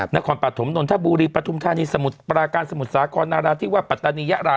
นครปฐมนนทบุรีปฐุมธานีสมุทรปราการสมุทรสาครนาราธิวาสปัตตานียะรา